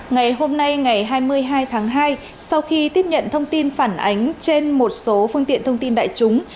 ngày hôm nay ngày hai mươi hai tháng hai sau khi tiếp nhận thông tin phản ánh trên một số phương tiện thông tin đại chúng